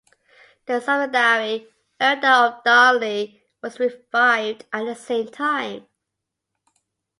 The subsidiary Earldom of Darnley was revived at the same time.